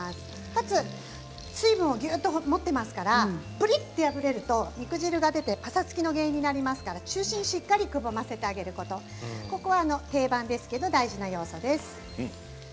かつ水分をギュッと持っていますからぷりっと破れると肉汁が出てぱさつきの原因になりますから中心をしっかりとくぼませてあげること、ここは定番ですけれども大事な要素です。